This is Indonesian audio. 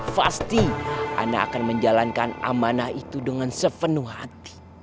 pasti anak akan menjalankan amanah itu dengan sepenuh hati